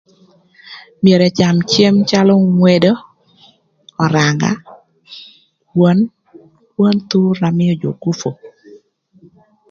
Myero ecam cem calö ngwedo, öranga, kwon, kwon thur na mïö jö gupu.